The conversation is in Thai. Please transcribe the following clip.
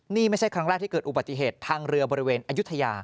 นี่ไม่ใช่ครั้งแรกที่เกิดอุบัติเหตุทางเรือบริเวณอายุทยา